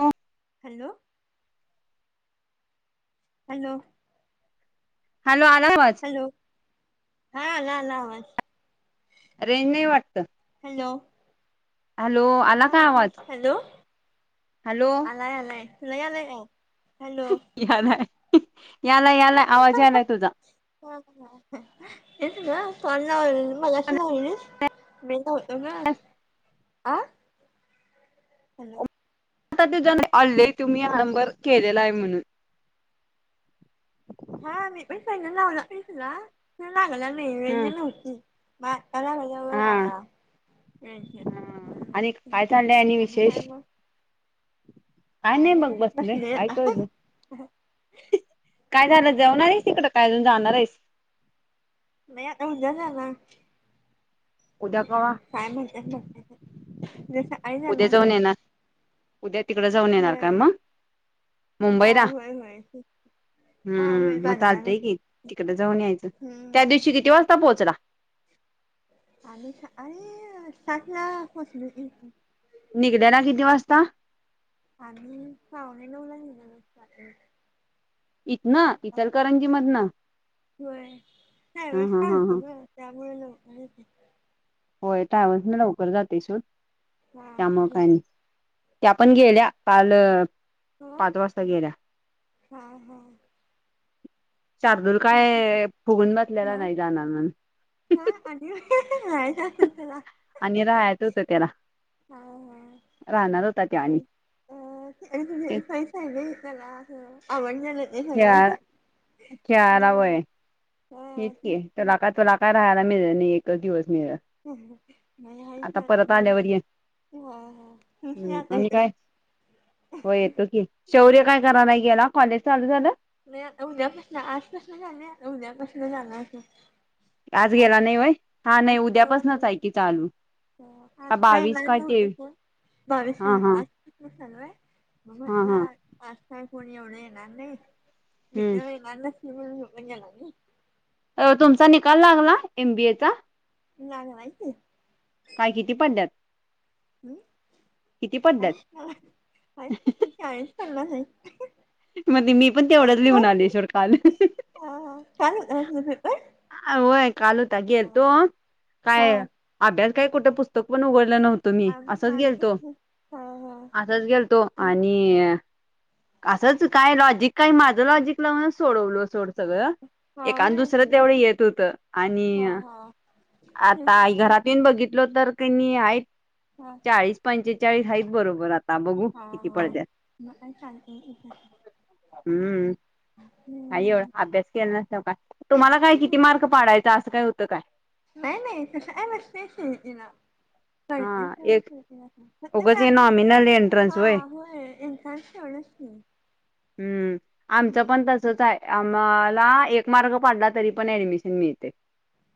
हो. Hello. Hello. Hello आलावाज. Hello हा आला आला आवाज. रेंज नाही वाटत. हॅलो हॅलो आला काय हा तेच आवाज. हॅलो हॅलो आलाय आलायल आला हॅलो. यालाय याला याला आवाज यालाय तुझा. येत ना फोन लावलेला मलाशी लावलीस म. तुम आं. हॅलो. आता तुझ अले तुम्ही ह नंबर केलेला आहे म्हणून. हा मी पणसा लावला पैसला त लागला ह नाही नव्हती. कलाज व. हा आणि हम्म काय चाललंय आणि विशेष काय मग काय नाही मग बसले काय कर ना हा काय हा झालं जेवणार आहेस इकड काय अजून जाणार आहेस नाही आता उद्या जाणार उद्या अ कवा काय म्हणत उद्या जाऊन येणार उद्या तिकडं जाऊन येणार का होय मग हा मुंबईला होय होय हा होय हम्म मग बाजाराला चालतय कि तिकड जाऊन यायचं त्या दिवशी किती वाजता पोहोचला ह आ अरे साठला पचल निघल्या ना किती वास्तता आ् पावणे नऊ ला येणारल इथ ना इचलकरंजी मध ना हो नाही म सांगतो हा ब त्यामुळे लवक य होय टॅवस म लवकर जातेसूड हा हम्म त्या पण गेल्या काल पाच वाजता गेल्या ह हा शार्दूल काय फुगून बसलेला म नाही जाणार म्हणून हा आली असलला आणि राहायच होत त्याला हा हा राहणार होता त्या आणि अ तुझे तेच पैसा आहे त्याला ह आवण झालं ते सगळे ला वय इतके तुला काय तुला काय राहायला मिळ नाही एकच दिवस मिळेल मज हयच आता परत आल्यावर ये हा हा हो येतो की शौर्य काय कराला गेला कॉलेज चाल झालं नाही उद्यापासन आजपसून जाण उद्यापसन जाण असं आज गेला नाही वय हा नाही उद्यापास नाच आहे की चालू हो आज काय बावीस नाही तेवीस बावीस हा हा आज कि लू आहे. हा हा [unintelligible] कोणी एवढं येणार नाही विज हम्म येणार ना सिेण येणार नाही. अ तुमचा निकाल लागला एमबीएचा जाग नाहीयच काय किती पडल्यात हम् किती पडल्यात अशाला मण मी पण तेवढंच लिहून आलेश्वर काल छान होता तुझा पेपर ह होय काल होता गेल तो हा काय अभ्यास काय कुठ पुस्तक पण उघडलं न तुम मी आम्ही असच माझं गेलतो पण हा हा असंच गेलतो आणि असंच काय लॉजिक काही माझं लॉजिक लावूनच सोडवल सोड सगळं हा एक आणि होय दुसरं तेवढं येत होत आणि हा हा आता आई घरात येन बघितलो तर कणी आहेत हा चाळीस पंचेचाळीस आहेत बरोबर आ हा हा मला छलत हम्म काय एवढं अभ्यास केला नसत का तुम्हाला काय किती मार्क पाडायचा असं काय होतं काय नाही नाहीशती ना हा एक उगच हे कळतीलवढ नॉमिनल एंट्रन्स हा व्हय होय इनथांवढंच [unintelligible] हम् हम्म आमचं पण तसच हाय. मला एक मार्क पाडला तरी पण ऍडमिशन मिळतय.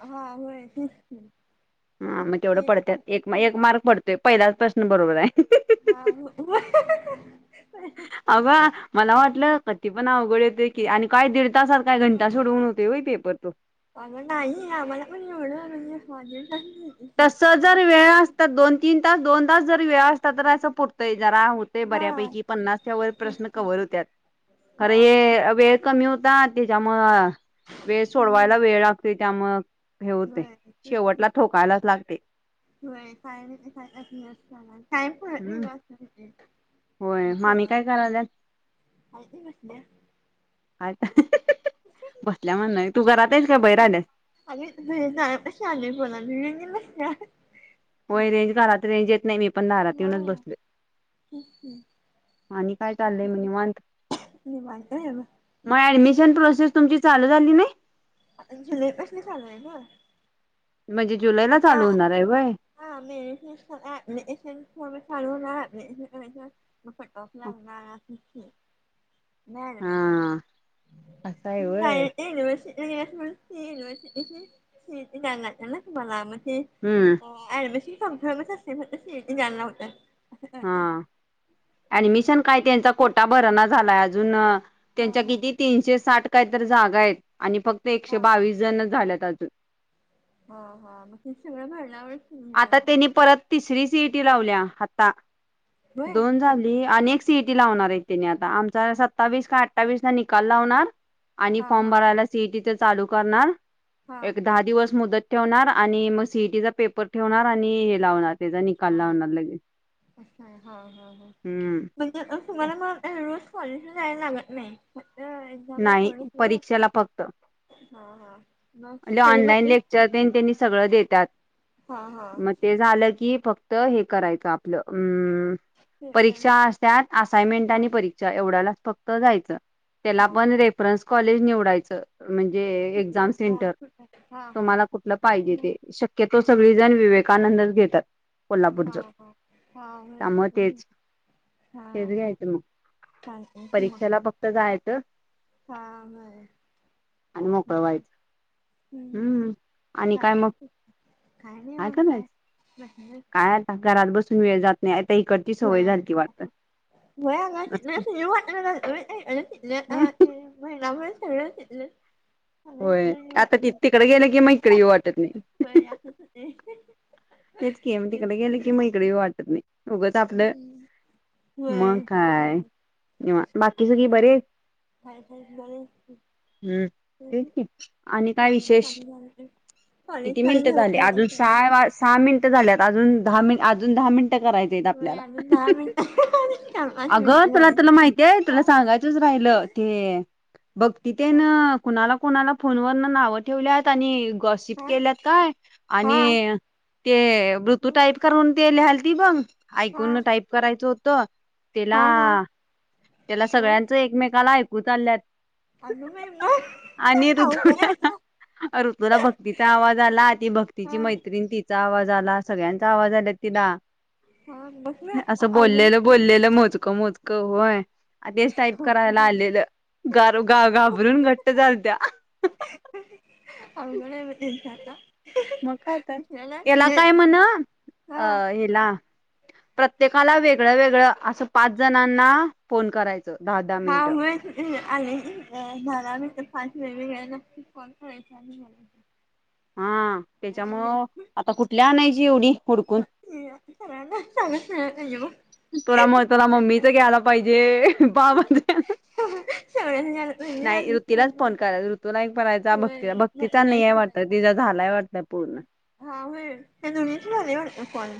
हा होय तेच हा मग तेवढं की पडत्यात [unintelligible] एक मार्क पडतोय पहिलाच प्रश्न बरोबर आहे. हा होय. अगं मला वाटलं कती पण अवघड येत. आणि काय दीड तासात काय घंटा सोडवून होते वई पेपर तो आग नाही आम्हाला पण एवढ म्हणजे माझे. तस जर वेळ असतात दोन तीन तास दोन तास जरी वेळ असतात तर असं पुरतं य जरा होते पण हा बऱ्यापैकी पननास च्या वर प्रश्न कव्हर होतत्यात खर हा कमी होता त्याच्यामूळ वेळ सोडवायला हम्म वेळ लागते त्यामुळ. हे होत होय तेच की शेवटला ठोकायला होय काही का काही पत हम्म नाही [unintelligible] होय यती मामी काय कराल्यात कसल्या आ बसल्या म्हण नाही तू घरात आहेस का बाहेर आलेस जाशानणी पला दि नाही होय रेंज दारात रेंज येत नाही मी पण दारात येऊनच बसले. आणि काय चाललंय मग निवांत निवांत आहे बघ मग ऍडमिशन प्रोसेस तुमची चालू झाली नाही जुलैपासून चालू आहे ना म्हणजे जुलैला आता चालू होणार आहे व्हय हा म चालू ना फटोफ लागणार. नाही र हा असं आहे मश व्हय नाही ना मशी एला स यनवर्सिटी स गगाला समलामं हम्म ऍडमिशन संप म सीटी जाला होत हा ऍडमिशन काय त्यांचा कोटा भरना झालाय अजून हा त्यांच्या हा किती तीनशे साठ कायतरी जागा आहेत आणि फक्त हा एकशे बावीस जण झाल्या ह हा मग ते सगळं भरायला आवडतील मला सीटी लावल्या आता होय दोन झाली अनेक सीईटी हा लावणार आहे त्याने आता आ सत्तावीस का अठ्ठावीस ला निकाल लावणार आणि हा फॉर्म हा भरायला सीईटी ते चालू करणार हा एक दहा दिवस मुदत ठेवणार आणि मग सीईटीचा पेपर ठेवणार आणि हे लावणार त्याचा निकाल हा लावणार लगेच हम्म म्हणजे तुम्हाला म रोल्स कॉलेजला जायला लागत नाही. एक्झामला नाही तेवढीच नव्ह परीक्षेला फक्त हा हा मग म्हणजे ऑनलाइन स्टडीमध्ये लेक्चर त्यांनी त्यांनी सगळं देतात. हा हा मग ते झालं की फक्त हे करायचं आपलं अम् हा परीक्षा असत्यात असाइनमेंट आणि परीक्षा एवढ्यालाच फक्त जायचं. त्याला हा पण रेफरन्स कॉलेज निवडायचं म्हणजे एक्झाम कुठलं हा सेंटर कुठलं हा हा तुम्हाला कुठलं पाहिजे मग ते शक्यतो हा सगळी जण विवेकानंदच घेतात. हा कोल्हापूरच हा हा. हा हेच होय घ्यायचं मग चालतंय की मग परीक्षेला फक्त जायचं हा म आणि मोकळवायचं हम्म आणि चाल काय मग काय नाही ह मग का नाहीच काय काय आता घरात बसून वेळ जात नाही. इकडची व्हय सवय झालती वाटत. ह नसते. महिनाभ सगळचथल होय आता त तिकडे गेल की मग ईकडे येऊ वाटत नाही. असंच होतंय तेच क म तिकडे गेले की मग इकडे येऊ वाटत नाही उगंच आपलं. मग होय काय बाकी आता सगळे जरा बरे आहेत काय ब हम्म तेच कि आणि काय कॉलेज विशेष चालू झालं की कॉलेज किती चालू मिनिटं झालं झाली की एक अजून मिनिटं सहा सहा मिनिटं झाल्यात अजून दहा मि अजून दहा मिनट कराय होय आपल्याला अजून दहा मिनिटं चार पाच अग मिनिटं तुला बोलायचं तुला माहिती आहे हा तुला सांगायचंच राहिल पालं ते बघ त ते ना कुणाला कुणाला फोनवरन नावं ठेवल्यात आणि गॉसिप हा केलेत काय हा आणि हा ते मग टाईप करून ते लहाल त बघ हा ऐकून टाईप करायचं होतं त्याला हा हा त्याला सगळ्यांच एकमेकाला ऐकू चालल्यात अंग बाई मग आणि अवघड ऋतूला आहे आता ऋतूला भक्तीचा आवाज आला ती भक्तीची हा मैत्रीिण ति चा आवाज आला सगळ्यांचा आवाज आला तिला हा बघ ना असं अवघड बोललेलं बोललेलं मोजकं मोजक होय आ तेच टाईप करायला आलेलं घाबरून घट्ट झाली त्या अवघड आहे बाई त्यांचा आता मग काय तर दुसऱ्याला याला म्हणजे काय म्हण हा अहिला प्रत्येकाला वेगळं वेगळं असं पाच जणांना फोन करायचं दहा दहा हा मिनिटं हो आले झाला पाच वेगवेगळ्या कॉल करायचं म्हटलं हा त्याच्यामुळ आता कुठल्या आणायची एवढी हुडकून सगळ्यांना सांगत राहायला पाहिजे बघ तुला म तुला मम्मीच घ्यायला पाहिजे बाबा सगळ्यांनी नाही ऋतलाच फोन कराय ऋतूला परायचा भक्तीला भक्तीचा नाही वाटत तिचा झालाय वाटत पूर्ण हा हो त्या दोघींचं झाले वाटतं कॉल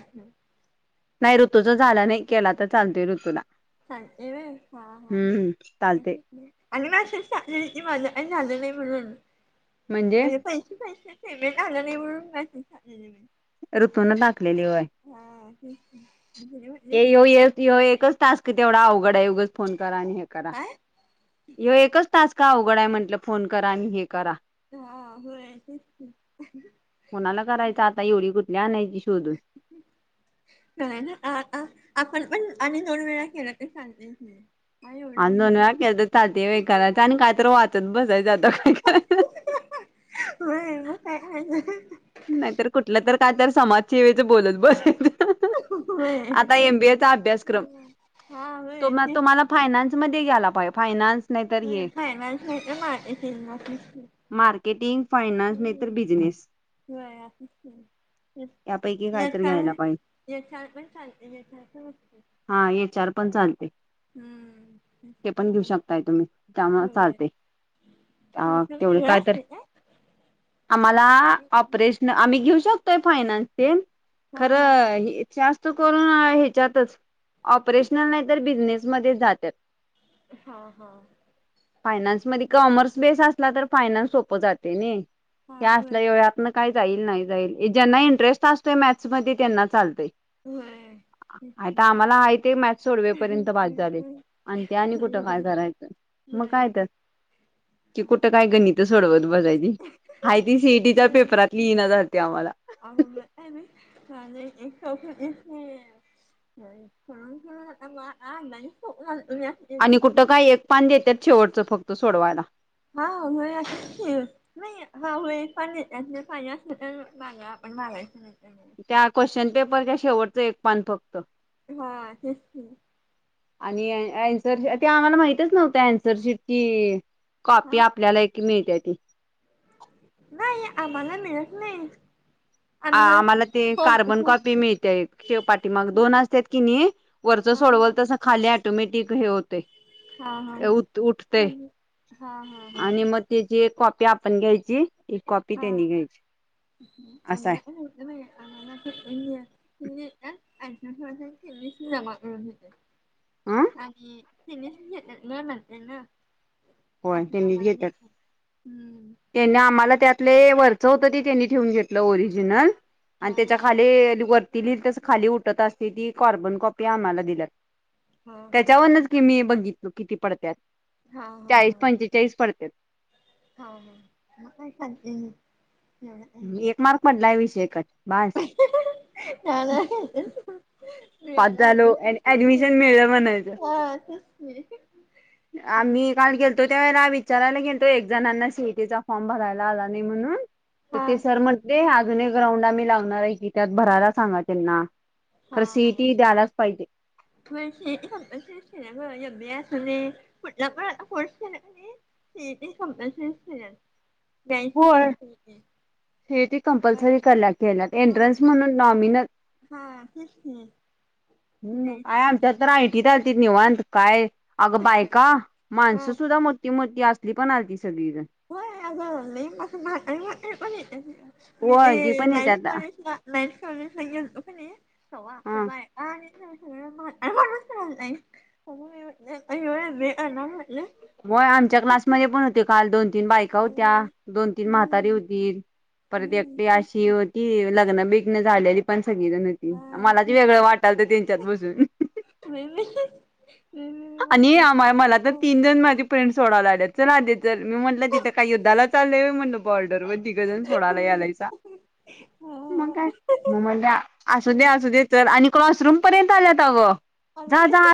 नाही ऋतूचा झाला नाही केला तर चालतय ऋतूला चालतंय होयहाहा हम्म चालते आणि मेसेज टाकले की माझ काय झालं नाही अजून म्हणून म्हणजे अरे पैसे पैसे पेमेट आला नाही म्हणून मेसेज टाकलेली ऋतूनून टाकलेली होय हम् ते येऊ ये एकच टास्क अवघड आहे उगाच फोनच करा हे करा काय ये एकच तास का अवघड आहे म्हटलं फोन करा आणि हे करा. हा होय कोणाला करायचं आता एवढी कुठली आणायची शोधून काय ना आपण पण आणि दोन वेळा केला तर चालतय दोन वेळा केलं तरी चालतंय करायचं काय तर वाचत बसायचं आता काय करायचं म म काय करायचं नाहीतर कुठलं तर काय तर समाजसेवेच बोलत बसायचं होय आता एमबीएचा अभ्यासक्रम हा होय तुम्हा तेच तुम्हाला फायनान्समध्ये ध्ये घ्यायला पाहिजे फयनान्स फायनान्स म मालस [unintelligible] मार्केटिंग फायनान्स नाहीतर बिझनेस हो असच यापैकी [unintelligible] काय एक तर घ्यायला ण पाहिजे. एक ण पण चालते एक पण चार पण चा हम्म ते पण घेऊ शकताय तुम्ही त्यामुळे होय चालते अ तुमचं तेवढी वेगळं काय असतंय तर आम्हाला हा आ प्रश्न आम्ही घेऊ शकतो फायनान्सचे हा खरं जास्त ह्याच्यातच ऑपरेशनल नाही तर बिझनेसमध्ये जात्यात. हा हा फायनान्स मध्ये कॉमर्स बेस असली तर फायनान्स सोपं जाते नाही हा हे होय असल्याव आतन काही जाईल नाही जाईल ज्यांना होय इंटरेस्ट असतोय मॅथस ममध्ये त्यांना चालतंय हम आता आम्हाला आहे ते मॅच सोडवेपर्यंत बास होय झालं त्याने कुठ काय होय करायचं मग काय तर? की कुठ काय गणित सोडवत बसायचे आहे ती सीईटीचा पेपर होय पेपर यातील इन झालते आम्हाला [unintelligible] [unintelligible] आणि कुठं काय एक पान देतात शेवटचं फक्त सोडवायला हा व अस नाही हा एक पान देते पाहिजे असले तर मागा पण मागायच नाही. तर नाही. त्या क्वेश्चन पेपरच्या शेवटचं एक पान फक्त हा, तेच की आणि अन्सरश ते आम्हाला माहितच नव्हत्या अन्सरशिप कि कॉपी हा आपल्याला एक मिळते ती. नाही आम्हाला मिळत नाही. आमचं आम्हाला ते होम कार्बन कॉपी मिळते. एक पाठीमाग दोन होय असत की नाही वरच हा हा सोडवल तस खाली ऑटोमॅटिक ती हा हा हा खाली उठ उठतय म्हणजे हा हा आणि हा मग त्याची एक कॉपी आपण घ्यायची. एक कॉपी त्यांनी घ्यायची. असा आमला आहे. नाही आम्हाला [unintelligible] अन्सार शीट जमा करून हं घेतात आणि [unintelligible] होय आपण त्यांनी आम्हाला घेत देतात हम्म त्यांनी आम्हाला त्यात वरच होत ते त्यांनी ठेवून घेतलं ओरिजिनल आणि हा त्याच्या हा खाली ति लि खाली उठत असते ती कारॉ्बन कॉपी आम्हाला दिल्यात हा हा त्याच्यावरनच की मी बघितलो किती पडत्यात हा हा चाळीस पंचेचाळीस पडत्यात हा हा हा एक मार्क पडले विषय कट हह हाह पास स््रियाला झालो ऍडमिशन ऍडमिशन [unintelligible] मिळलं म्हणायचं हा तेच की आम्ही काल गेलतो त्या वेला विचारायला गेलतो एक जणांना सीट फॉर्म भरायला आला नाही हा म्हणून सर म्हंटले अजून एक राऊंड आम्ही लावणार आहे की त्यात भरायला सांगा त्यांना हा खरं हा सीईटी द्यायलाच पाहिजे [unintelligible] कुठला पण कोर्स केला आणि सीईटी कंपल्सरी शहाऐंशी. हे ती कंपल्सरी कला केल्या एंट्रन्स म्हणून नॉमिनल हा हम् काय आमच्यात तर हम् आयटीत आलती निवांत काय अग बायका हा माणसं सुद्धा मोठी मोठी असली पण आलती. सगळीजण होय अग लय मोठी मोठी पण येते. म होय ती ए पण लाईनस येत्यात कॉलेस ला लाईनस कॉलेजला गेलतो का नाही. ते हा बायका आणि नाही हो आमच्या क्लासमध्ये पण होते काल दोन तीन बायका होत्या दोन तीन म्हातारी हम्म होती परत एक हम्म अशी होती लग्न बेग्न झालेली पण सगळी जण होती हा मलाच वेगळं वाटालत त्यांच्यात बसून हो आणि आम्हा मला तर तीन जण माझी फ्रेंड सोडावला लागल्यात चला जर मी म्हटलं तिथं काय युद्धाला चाल म्हण बॉर्डरवरर तिघंजण सोडाला यालायचा हो मग काय मग म असू दे असू दे च आणि क्लासरूम पर्यंत आल्यात अगं जा जा अ